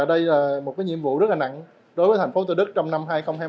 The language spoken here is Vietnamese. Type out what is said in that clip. đây là một nhiệm vụ rất là nặng đối với tp hcm trong năm hai nghìn hai mươi bốn